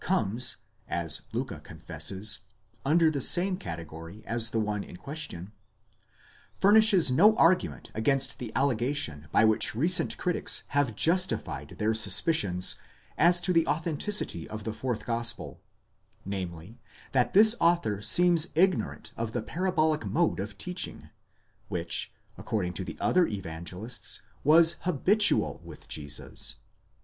comes, as Liicke confesses, under the same category as the one in question)—furnishes no argument against the allegation by which recent critics have justified their suspicions as to the authenticity of the fourth gospel; namely, that its author seems ignorant of the parabolic mode of teaching which, according to the other Evangelists, was habitual with Jesus.